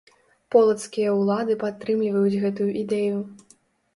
Полацкія ўлады падтрымліваюць гэтую ідэю.